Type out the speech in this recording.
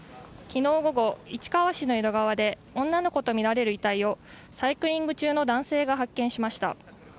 昨日午後、市川市の江戸川で女の子とみられる遺体をサイクリング中の男性が発見しました。